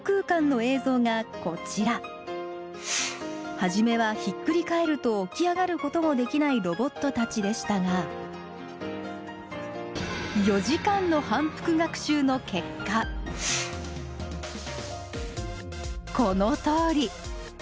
初めはひっくり返ると起き上がることもできないロボットたちでしたが４時間の反復学習の結果このとおり！